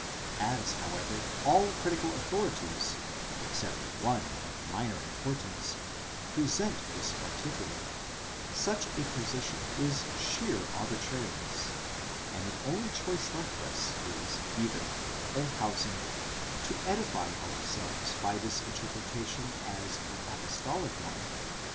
As, however, all critical authorities, except one of minor importance, present this particular, such a position is sheer arbitrariness, and the only choice left us is either with Olshausen, to edify ourselves by this interpretation as an apostolic one,°*?